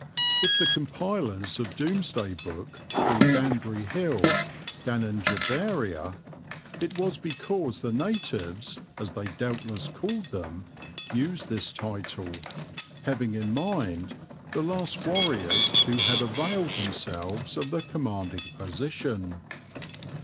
If the compilers of Domesday Book called Danbury Hill Danengeberia it was because the natives, as they doubtless called them, used this title, having in mind the last warriors who had availed themselves of the commanding position.